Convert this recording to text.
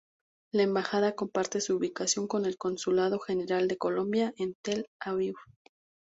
La Embajada comparte su ubicación con el Consulado General de Colombia en Tel Aviv.